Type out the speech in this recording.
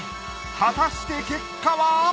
果たして結果は！？